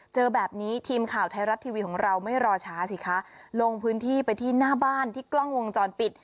เจอแบบนี้ทีมข่าวไทยรัฐทีวีของเราไม่รอช้าสิคะลงพื้นที่ไปที่หน้าบ้านที่กล้องวงจรปิด